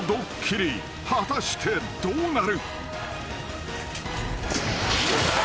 ［果たしてどうなる？］